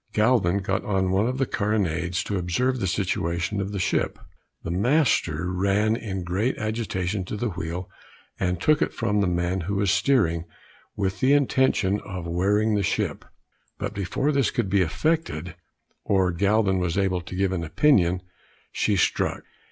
Galvin got on one of the carronades to observe the situation of the ship; the master ran in great agitation to the wheel, and took it from the man who was steering, with the intention of wearing the ship; but before this could be effected, or Galvin was able to give an opinion, she struck.